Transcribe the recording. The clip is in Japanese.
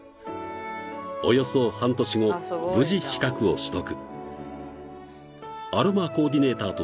およそ半年後無事資格を取得